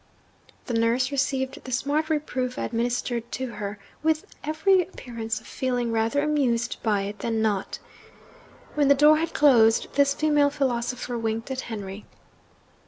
The nurse received the smart reproof administered to her with every appearance of feeling rather amused by it than not. When the door had closed, this female philosopher winked at Henry.